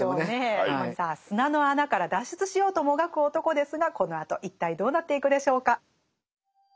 さあ砂の穴から脱出しようともがく男ですがこのあと一体どうなっていくでしょうか。